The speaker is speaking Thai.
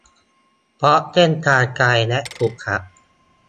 เพราะเส้นทางไกลและขรุขระ